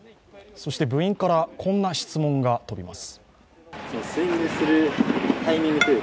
そして部員から、こんな質問が飛びます。